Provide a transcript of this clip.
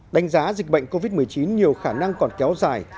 đánh giá dịch bệnh covid một mươi chín nhiều khả năng còn kéo dài